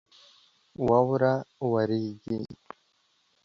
واوره وریږي